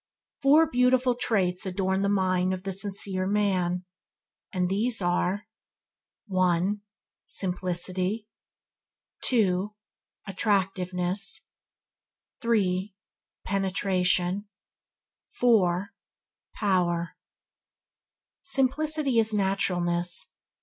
Four beautiful traits adorn the mind of the sincere man; they are: 1. Simplicity 2. Attractiveness 3. Penetration 4. Power Simplicity is naturalness.